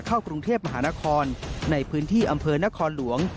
เข้ากรุงเทพมหานครในพื้นที่อำเภอนครหลวง